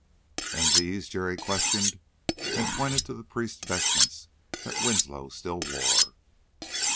"And these?" Jerry questioned, and pointed to the priest's vestments that Winslow still wore.